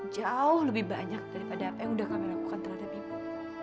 jauh lebih banyak daripada apa yang sudah kami lakukan terhadap ibu